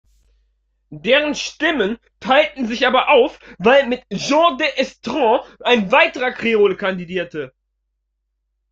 Deren Stimmen teilten sich aber auf, weil mit Jean d’Estrehan ein weiterer Kreole kandidierte.